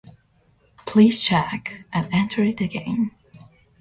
Please check and enter it again.